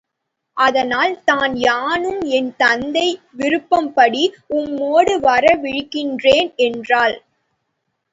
அதனால் தான் யானும் என் தந்தை விருப்பப்படி உம்மோடு வர விழைகின்றேன் என்றாள்.